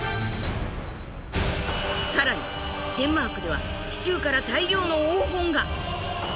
更にデンマークでは地中から大量の黄金が。